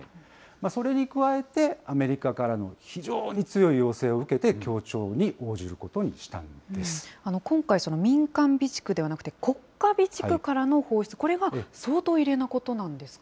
それに加えて、アメリカからの非常に強い要請を受けて、今回、民間備蓄ではなくて、国家備蓄からの放出、これは相当異例なことなんですか。